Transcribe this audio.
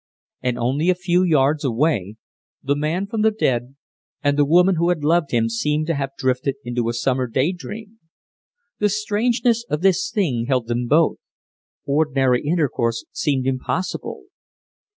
And only a few yards away, the man from the dead and the woman who had loved him seemed to have drifted into a summer day dream. The strangeness of this thing held them both ordinary intercourse seemed impossible.